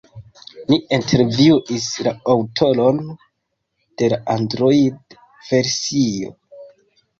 Ni intervjuis la aŭtoron de la Android-versio.